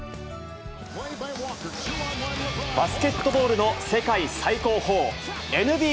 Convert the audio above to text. バスケットボールの世界最高峰、ＮＢＡ。